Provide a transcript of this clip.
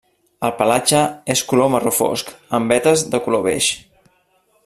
El pelatge és color marró fosc, amb vetes de color beix.